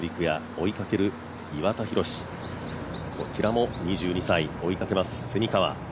追いかける岩田寛、こちらも２２歳追いかけます蝉川。